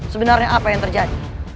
sebenarnya apa yang terjadi